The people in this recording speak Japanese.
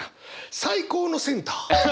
最高のセンター！